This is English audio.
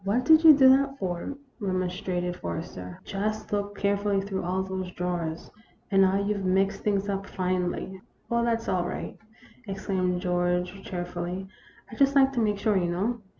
" What did you do that for ?" remonstrated For rester. "I had just looked carefully through all those drawers, and now you 've mixed things up finely." " Oh, that 's all right !" exclaimed George, cheer fully. " I just like to make sure, you know.